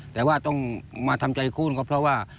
แต่ว่าต้องมาทำใจคู่ก็เพราะว่า